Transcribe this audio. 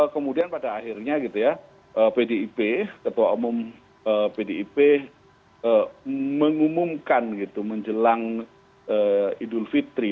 kemudian pada akhirnya gitu ya pdip ketua umum pdip mengumumkan gitu menjelang idul fitri